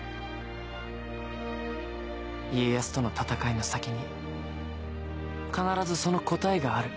家康との戦いの先に必ずその答えがある。